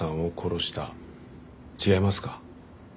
違いますか？